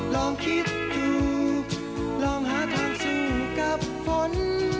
ลองคิดดูลองหาทางสู้กับฝน